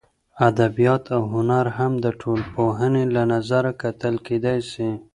ادبیات او هنر هم د ټولنپوهنې له نظره کتل کېدای سي.